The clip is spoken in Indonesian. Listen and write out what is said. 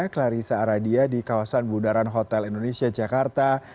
clarissa aradia di kawasan bundaran hotel indonesia jakarta